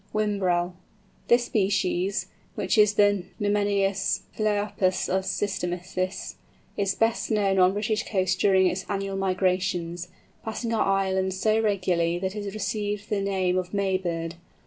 WHIMBREL. This species—which is the Numenius phæopus of systematists—is best known on the British coasts during its annual migrations, passing our islands so regularly that it has received the name of "May Bird."